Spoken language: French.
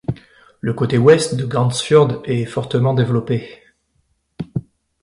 Le côté ouest de Gandsfjord est fortement développé.